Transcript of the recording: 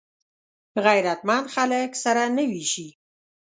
غیرتمند خلک سره نه وېشي